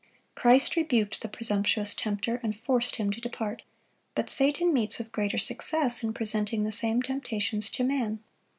Christ rebuked the presumptuous tempter, and forced him to depart. But Satan meets with greater success in presenting the same temptations to man.